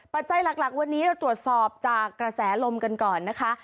ปัจจัยหลักวันนี้เราตรวจสอบจากกระแสลมกันก่อนนะคะ